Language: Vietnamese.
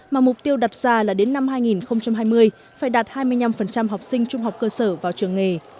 mà mục tiêu đặt ra là đến năm hai nghìn hai mươi phải đạt hai mươi năm học sinh trung học cơ sở vào trường nghề